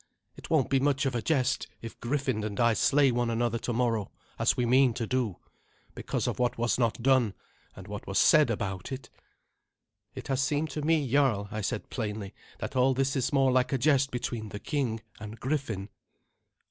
It won't be much of a jest if Griffin and I slay one another tomorrow, as we mean to do, because of what was not done, and what was said about it." "It has seemed to me, jarl," I said plainly, "that all this is more like a jest between the king and Griffin."